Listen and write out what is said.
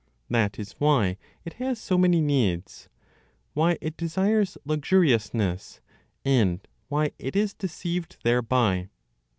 That is why it has so many needs, why it desires luxuriousness, and why it is deceived thereby.